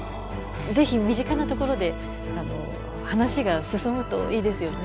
是非身近なところで話が進むといいですよね。